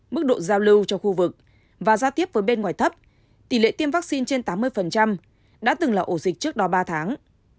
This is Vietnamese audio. mức độ giao lưu cho khu vực và giao tiếp với bên ngoài thấp tỷ lệ tiêm vaccine trên tám mươi đã từng là ổ dịch trước đó ba tháng